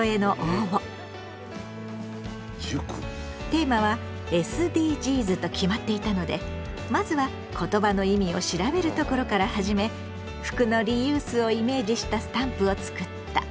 テーマはＳＤＧｓと決まっていたのでまずは言葉の意味を調べるところから始め服のリユースをイメージしたスタンプをつくった。